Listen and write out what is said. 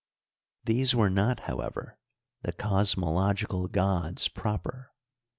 These were not, however, the cosmological gods proper.